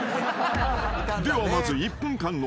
［ではまず１分間の］